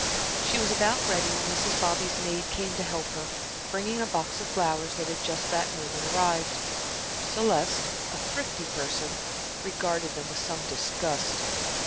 She was about ready when Mrs. Bobby's maid came to help her, bringing a box of flowers that had just that moment arrived. Celeste, a thrifty person, regarded them with some disgust.